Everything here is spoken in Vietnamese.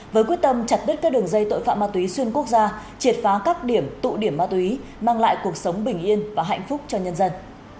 với quyết tâm chặt đứt các đường dây tội phạm ma túy xuyên quốc gia triệt phá các điểm tụ điểm ma túy mang lại cuộc sống bình yên và hạnh phúc cho nhân dân